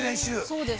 ◆そうです。